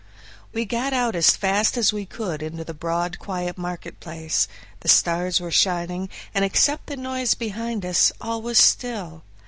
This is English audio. We got out as fast as we could into the broad quiet market place; the stars were shining, and except the noise behind us, all was still.